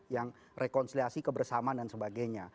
yang rekonsiliasi kebersamaan dan sebagainya